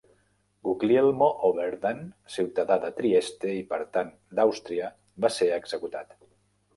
Guglielmo Oberdan, ciutadà de Trieste i, per tant, d'Àustria, va ser executat.